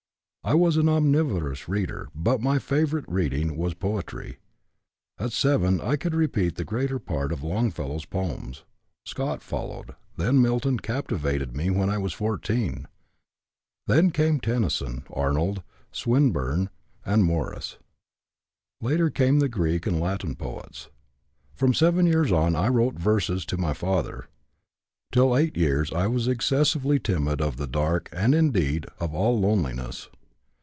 I was an omnivorous reader, but my favorite reading was poetry. At 7 I could repeat the greater part of Longfellow's poems; Scott followed; then Milton captivated me when I was 14; then came Tennyson, Arnold, Swinburne, and Morris. Later came the Greek and Latin poets. From 7 years on I wrote verses to my father. Till 8 years I was excessively timid of the dark and, indeed, of all loneliness.